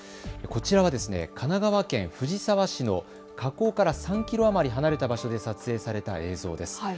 こちらは神奈川県藤沢市の河口から３キロ余り離れた場所で撮影された映像です。